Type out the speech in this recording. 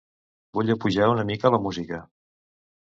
Vull apujar una mica la música.